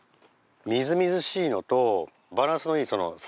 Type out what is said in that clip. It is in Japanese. みずみずしいのとバランスのいいその酸味。